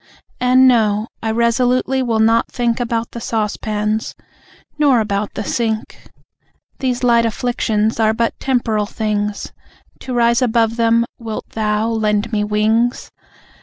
And no, I resolutely will not think About the saucepans, nor about the sink. These light afflictions are but temporal things To rise above them, wilt Thou lend me wings?